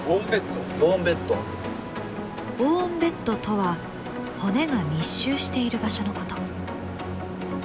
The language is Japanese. ボーンベッドとは骨が密集している場所のこと。